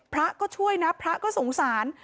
พระก็ช่วยนะพระก็สงสาร